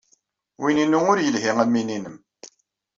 Win-inu ur yelhi am win-nnem.